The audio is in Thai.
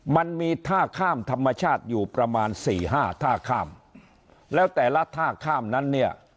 มันมีท่าข้ามธรรมชาติอยู่ประมาณสี่ห้าท่าข้ามแล้วแต่ละท่าข้ามนั้นเนี่ย